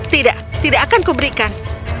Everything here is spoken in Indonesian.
tidak tidak akan kuberikan